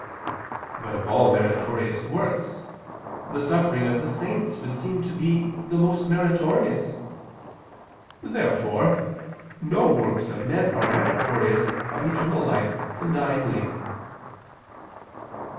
But of all meritorious works, the sufferings of the saints would seem the most meritorious. Therefore no works of men are meritorious of eternal life condignly.